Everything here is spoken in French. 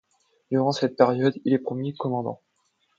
Durant cette période, il est promu commandant.